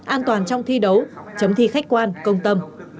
an toàn trong thi đấu chấm thi khách quan công tâm